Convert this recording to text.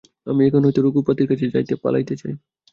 আমি এখান হইতে-রেঘুপতির কাছ হইতে পালাইতে চাই।